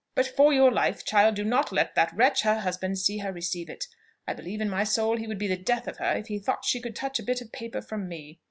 But for your life, child, do not let that wretch her husband see her receive it. I believe, in my soul, he would be the death of her if he thought she could touch a bit of paper from me.